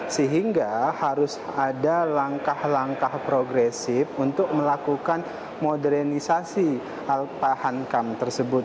sehingga harus ada langkah langkah progresif untuk melakukan modernisasi alpa hankam tersebut